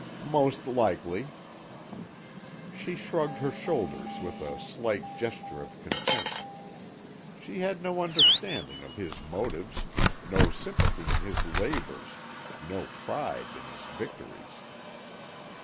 "Most likely." She shrugged her shoulders with a slight gesture of contempt. She had no understanding of his motives, no sympathy in his labours, no pride in his victories.